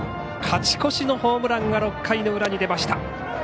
勝ち越しのホームランが６回の裏に出ました。